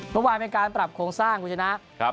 เมื่อวานเป็นการปรับโครงสร้างคุณชนะ